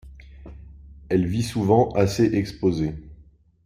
Elle vit souvent assez exposée.